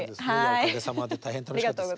おかげさまで大変楽しかったです。